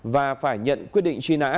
và phải nhận quyết định truy nã